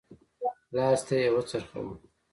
لاستی يې وڅرخوه.